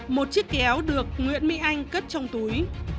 một chiếc kéo được nguyễn mỹ anh cất trong túi